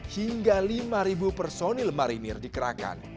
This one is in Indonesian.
hingga lima personil marinir dikerahkan